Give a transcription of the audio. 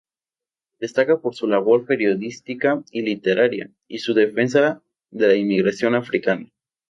Destaca por su labor periodística y literaria y su defensa de la inmigración africana.